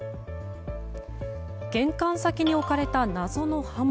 玄関先に置かれた謎の刃物。